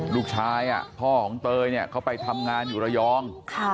ลูกชายพ่อของเตยเนี่ยเขาไปทำงานอยู่ระยอง